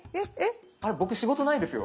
僕仕事ないですよ。